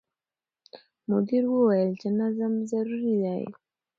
مدیر وویل چې نظم ضروري دی.